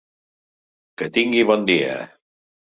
Que tingui bon dia!